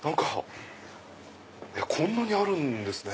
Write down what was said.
こんなにあるんですね。